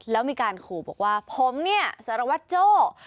แล้วมีการขู่บอกว่าผมเนี่ยสารวัตรโจ้